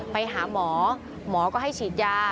ไปหาหมอหมอก็ให้ฉีดยา